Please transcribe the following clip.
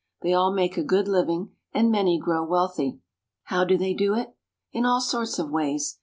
They all make a good liv ing, and many grow wealthy. How do they do it? In all sorts of ways.